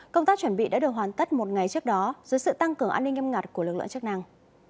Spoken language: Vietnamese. công tác chuẩn bị đã được hoàn tất một ngày trước đó dưới sự tăng cường an ninh nghiêm ngặt của lực lượng chức năng